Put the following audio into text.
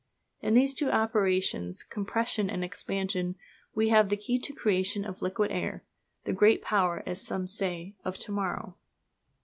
In these two operations, compression and expansion, we have the key to the creation of liquid air the great power, as some say, of to morrow.